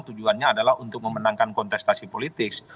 tujuannya adalah untuk memenangkan kontestasi politik